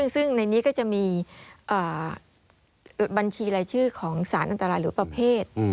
ซึ่งในนี้ก็จะมีบัญชีรายชื่อของสารอันตรายหรือประเภท